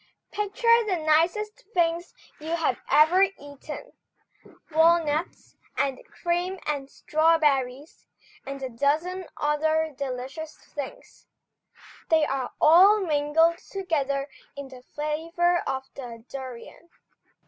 Picture the nicest things you have ever eaten, walnuts, and cream and strawberries, and a dozen other delicious things, they are all mingled together in the flavour of the durion.